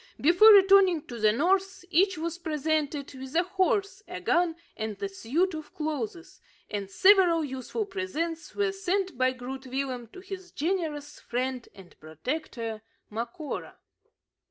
Before returning to the north, each was presented with a horse, a gun, and a suit of clothes; and several useful presents were sent by Groot Willem to his generous friend and protector, Macora.